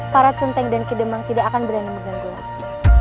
para centeng dan kidemang tidak akan berani mengganggu lagi